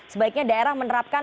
sebaiknya daerah menerapkan